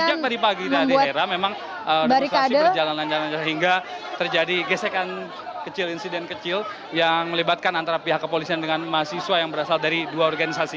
sejak tadi pagi hera memang demonstrasi berjalan lancar sehingga terjadi gesekan kecil insiden kecil yang melibatkan antara pihak kepolisian dengan mahasiswa yang berasal dari dua organisasi